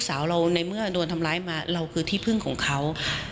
สาวเราในเมื่อโดนทำร้ายมาเราคือที่พึ่งของเขา